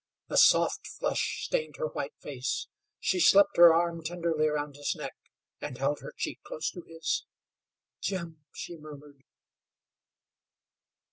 A soft flush stained her white face. She slipped her arm tenderly around his neck, and held her cheek close to his. "Jim," she murmured.